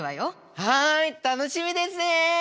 はい楽しみですね。